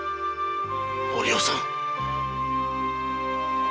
お涼さん。